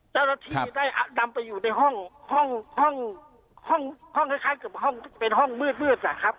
เจ้าหน้าที่นี่ได้ดำไปอยู่ในห้องคล้ายคือเป็นห้องมืดครับ